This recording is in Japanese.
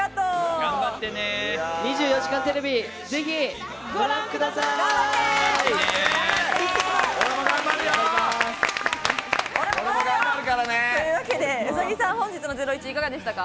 『２４時間テレビ』、ぜひご覧ください！というわけで、兎さん、本日の『ゼロイチ』いかがでしたか？